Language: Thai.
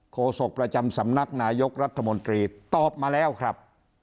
โศกประจำสำนักนายกรัฐมนตรีตอบมาแล้วครับ